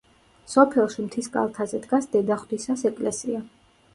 სოფელში მთის კალთაზე დგას დედაღვთისას ეკლესია.